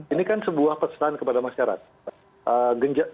ini kan sebuah pesan kepada masyarakat